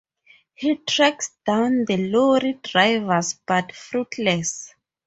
He tracks down the lorry drivers but fruitless.